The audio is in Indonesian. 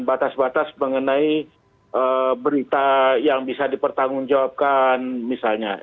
batas batas mengenai berita yang bisa dipertanggungjawabkan misalnya